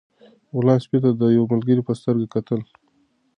غلام سپي ته د یو ملګري په سترګه کتل.